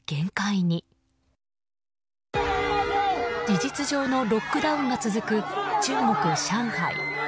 事実上のロックダウンが続く中国・上海。